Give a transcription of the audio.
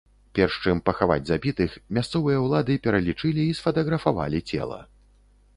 Перш чым пахаваць забітых, мясцовыя ўлады пералічылі і сфатаграфавалі цела.